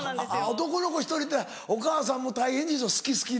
男の子１人ってお母さんも大変でしょ「好き好き」で。